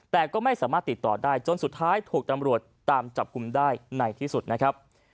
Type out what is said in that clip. แต่ก็ไม่สามารถติดต่อได้จนสุดท้ายถูกตำรวจตามจับกลุ่มได้ในที่สุดนะครับ